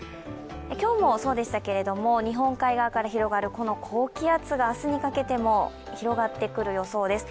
今日もそうでしたけれども、日本海側から広がる高気圧が明日にかけても広がってくる予想です。